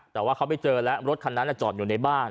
แต่ว่าเขาไปเจอแล้วรถคันนั้นจอดอยู่ในบ้าน